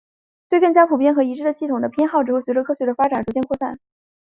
对更加普遍和一致的系统的偏好只会随着科学的发展而逐渐扩散。